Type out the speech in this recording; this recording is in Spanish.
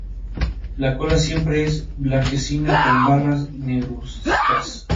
La cola siempre es blanquecina con barras negruzcas.